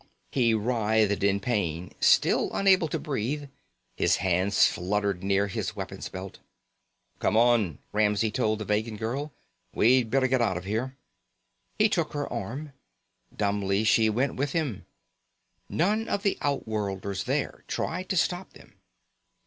He writhed in pain, still unable to breathe. His hands fluttered near his weapons belt. "Come on," Ramsey told the Vegan girl. "We'd better get out of here." He took her arm. Dumbly she went with him. None of the outworlders there tried to stop them.